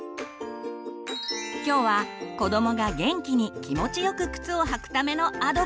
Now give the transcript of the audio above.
今日は子どもが元気に気持ちよく靴を履くためのアドバイス！